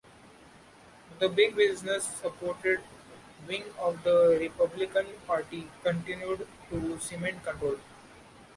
The big business-supported wing of the Republican Party continued to cement control.